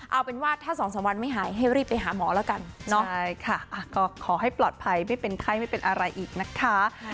เอาเป็นว่าถ้า๒๓วันไม่หายให้รีบไปหาหมอแล้วกันเนาะใช่ค่ะก็ขอให้ปลอดภัยไม่เป็นไข้ไม่เป็นอะไรอีกนะคะ